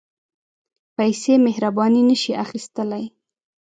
پېسې مهرباني نه شي اخیستلای.